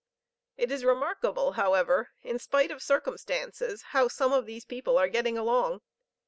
It is remarkable, however, in spite of circumstances, how some of these people are getting along.